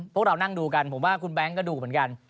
พวกเรานั่งดูกันผมว่าคุณแบงค์ก็ดูเหมือนกัน